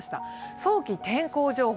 早期天候情報。